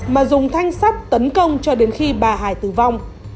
mà dùng thanh sắt tấn công cho đến khi bà hải tử vong